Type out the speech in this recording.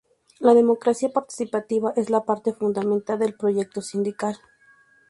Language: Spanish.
La democracia participativa es la parte fundamental del proyecto sindical.